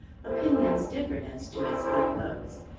Opinions differed as to his good looks.